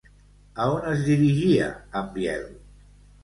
A on es dirigia en Biel?